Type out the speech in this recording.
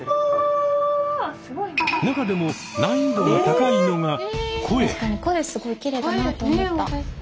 中でも難易度が高いのが声。